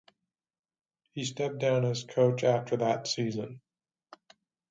He stepped down as coach after that season.